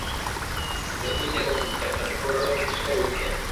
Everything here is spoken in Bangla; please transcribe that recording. যারা মুমিন এবং মুত্তাকী তাদের পরলোকের পুরস্কারই উত্তম।